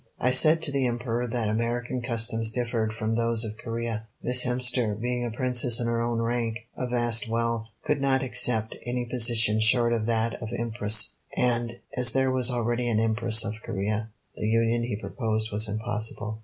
I said to the Emperor that American customs differed from those of Corea. Miss Hemster, being a Princess in her own rank, of vast wealth, could not accept any position short of that of Empress, and, as there was already an Empress of Corea, the union he proposed was impossible.